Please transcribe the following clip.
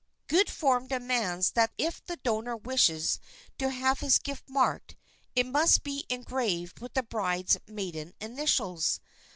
Good form demands that if the donor wishes to have his gift marked, it must be engraved with the bride's maiden initials.